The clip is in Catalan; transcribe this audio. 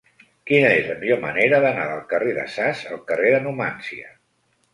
Quina és la millor manera d'anar del carrer de Sas al carrer de Numància?